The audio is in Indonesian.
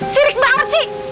sirik banget sih